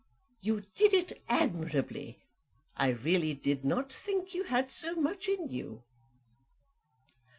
"You did it admirably. I really did not think you had so much in you."